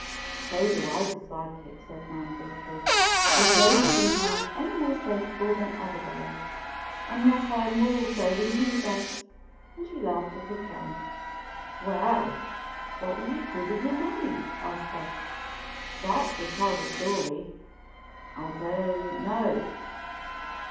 "So do I dislike it," said Nan, briskly. "I don't think I am any more sensible than other girls unless I'm more so than you, Bess," and she laughed at her chum. "Well! what will you do with your money?" asked Bess. "That will tell the story." "I don't know."